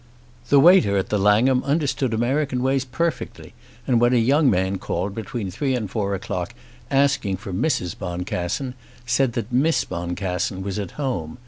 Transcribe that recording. The waiter at the Langham understood American ways perfectly, and when a young man called between three and four o'clock, asking for Mrs. Boncassen, said that Miss Boncassen was at home.